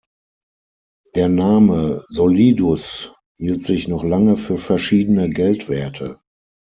Der Name "Solidus" hielt sich noch lange für verschiedene Geldwerte.